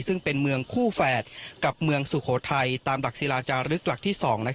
ซึ่งเป็นเมืองคู่แฝดกับเมืองสุโขทัยตามหลักศิลาจารึกหลักที่๒